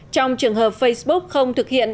trong trường hợp facebook không thực hiện